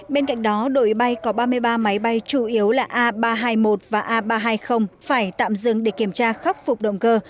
bên cạnh đó đội bay có ba mươi ba máy bay chủ yếu là a ba trăm hai mươi một và a ba trăm hai mươi phải tạm dừng để kiểm tra khắc phục động cơ